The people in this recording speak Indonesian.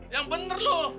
yang bener lu